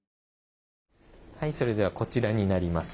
それはこちらになります。